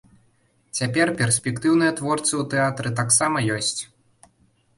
Цяпер перспектыўныя творцы ў тэатры таксама ёсць.